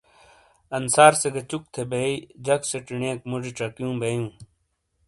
انصار سے گہ چُک تھے بیئی جک چینیئک موجی چکیوں بیئوں۔